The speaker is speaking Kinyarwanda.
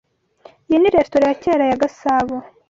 Iyi ni resitora ya kera ya Gasabo.